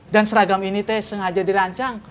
dan seragam ini tes sengaja dirancang